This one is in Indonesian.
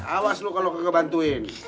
awas lo kalau kebantuin